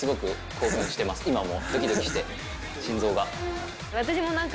今もドキドキして心臓が。